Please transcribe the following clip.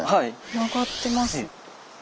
曲がってます。